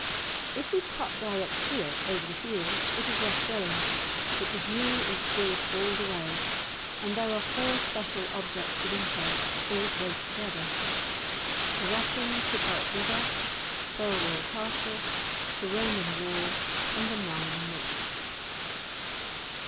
If we cut direct to it, over the fields, it is rough going, but the view is good all the way. And there are four special objects of interest, all close together; the rushing Tipalt river, Thirlwall Castle, the Roman wall, and the Nine Nicks.